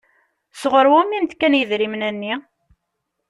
Sɣur wumi i m-d-kan idrimen-nni?